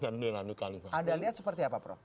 anda lihat seperti apa prof